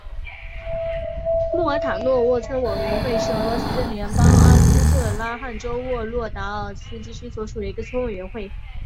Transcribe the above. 穆尔塔诺沃村委员会是俄罗斯联邦阿斯特拉罕州沃洛达尔斯基区所属的一个村委员会。